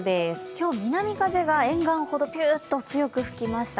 今日、南風が沿岸ほどピューッと強く吹きました。